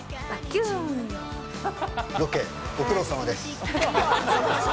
ロケ、ご苦労さまです。